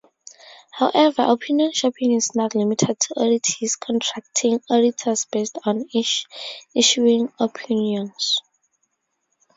However, opinion shopping is not limited to auditees contracting auditors based on issuing opinions.